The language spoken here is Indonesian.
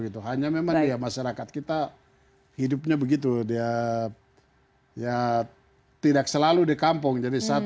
itu hanya memang dia masyarakat kita hidupnya begitu dia ya tidak selalu di kampung jadi saat